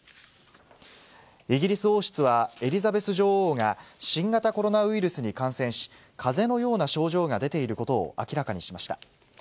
イギリス王室は、えりざべすじょおうが新型コロナウイルスに感染し、かぜのような症状が出ていることを明らかにしました。